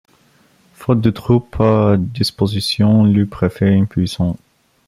Faute de troupes à disposition, le préfet est impuissant.